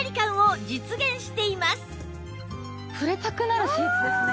触れたくなるシーツですね。